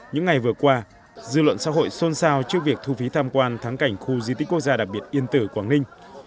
những ngày vừa qua dư luận xã hội xôn xao trước việc thu phí tham quan thắng cảnh khu di tích quốc gia đặc biệt yên tử quảng ninh